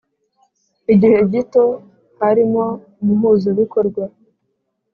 igihe gito harimo Umuhuzabikorwa